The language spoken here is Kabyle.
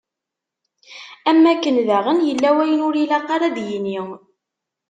Am wakken daɣen, yella wayen ur ilaq ara ad yini.